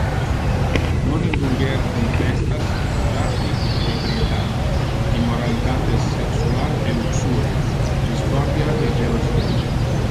Non indulger in festas orgiastic e ebrietate, immoralitates sexual e luxuria, discordia e jelosia.